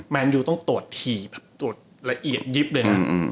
แนนยูต้องตรวจถี่แบบตรวจละเอียดยิบเลยนะ